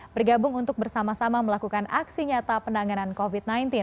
bergabung untuk bersama sama melakukan aksi nyata penanganan covid sembilan belas